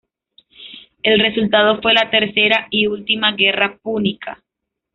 El resultado fue la tercera y última guerra púnica.